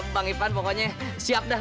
bang ivan pokoknya siap dah